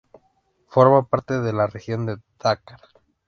Forma parte de la región de Dakar.